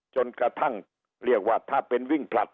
จนกระทั่งเรียกว่าถ้าเป็นวิ่งผลัด